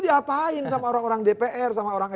diapain sama orang orang dpr sama orang